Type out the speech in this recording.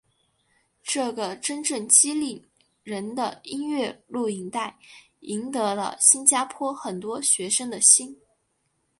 这个真正激励人的音乐录影带赢得了新加坡很多学生的心。